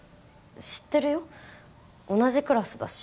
知ってるよ同じクラスだし